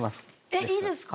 えっいいですか？